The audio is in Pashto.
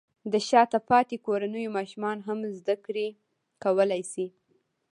د شاته پاتې کورنیو ماشومان هم زده کړې کولی شي.